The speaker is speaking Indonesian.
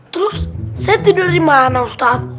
terus saya tidur dimana ustadz